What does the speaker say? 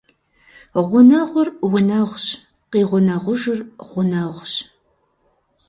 Гъунэгъур унэгъущ, къигъунэгъужыр гъунэгъущ.